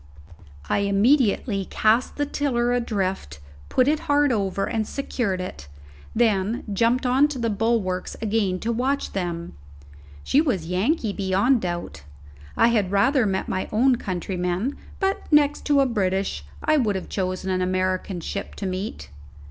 I immediately cast the tiller adrift, put it hard over, and secured it, then jumped on to the bulwarks again to watch them. She was Yankee beyond doubt; I had rather met my own countrymen; but, next to a British, I would have chosen an American ship to meet.